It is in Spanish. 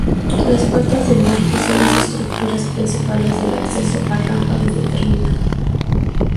Las puertas de embarque son las estructuras principales del acceso a rampa desde terminal.